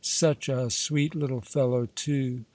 Such a sweet little fellow, too.